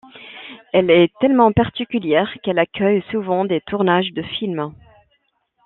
Elle est tellement particulière qu’elle accueille souvent des tournages de films.